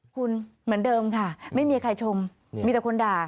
คุณเหมือนเดิมค่ะไม่มีใครชมมีแต่คนด่า